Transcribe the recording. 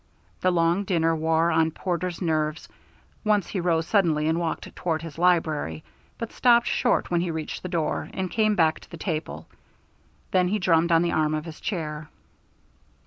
The long dinner wore on Porter's nerves; once he rose suddenly and walked toward his library, but stopped short when he reached the door and came back to the table. Then he drummed on the arm of his chair.